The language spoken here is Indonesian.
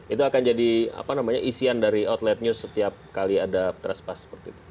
itu akan jadi apa namanya isian dari outlet news setiap kali ada transpa seperti itu